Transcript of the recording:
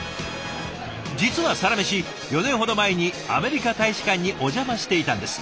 実は「サラメシ」４年ほど前にアメリカ大使館にお邪魔していたんです。